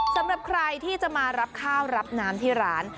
สำหรับใครที่จะมารับข้าวรับน้ำที่ร้าน